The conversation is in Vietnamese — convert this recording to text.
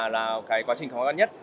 là cái quá trình khó gắn nhất